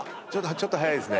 ちょっと早いですね。